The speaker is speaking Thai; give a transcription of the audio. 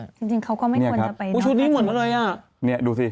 จริงเขาก็ไม่ควรจะไปน้องพระจริง